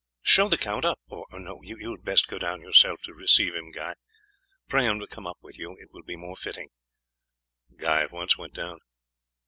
"Show the count up. Or no, you had best go down yourself to receive him, Guy. Pray him to come up with you; it will be more fitting." Guy at once went down.